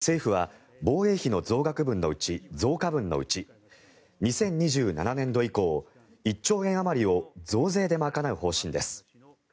政府は防衛費の増加分のうち２０２７年度以降１兆円あまりを増税で賄う方針です。